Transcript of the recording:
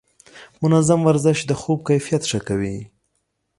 منظم ورزش د خوب کیفیت ښه کوي.